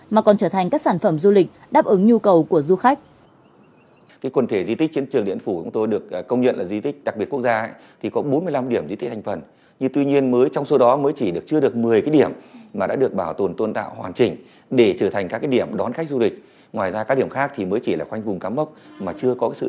mà còn trở thành các sản phẩm du lịch đáp ứng nhu cầu của du khách